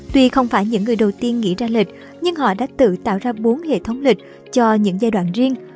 tuy không phải những người đầu tiên nghĩ ra lịch nhưng họ đã tự tạo ra bốn hệ thống lịch cho những giai đoạn riêng